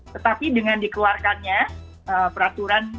tetapi dengan dikeluarkannya peraturan